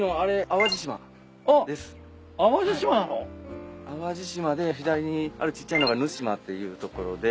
淡路島で左にあるちっちゃいのが沼島っていう所で。